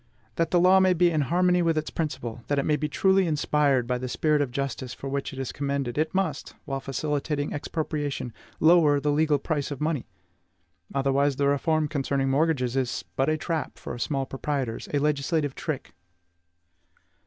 That the law may be in harmony with its principle, that it may be truly inspired by that spirit of justice for which it is commended, it must while facilitating expropriation lower the legal price of money. Otherwise, the reform concerning mortgages is but a trap set for small proprietors, a legislative trick.